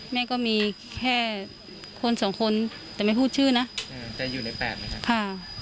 แม่ก็มีแค่คน๒คนแต่ไม่พูดชื่อนะ